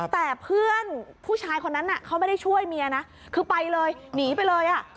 แต่เพื่อนผู้ชายคนนั้นเขาไม่ได้ช่วยเมียนะคือไปเลยหนีไปเลยอ่ะ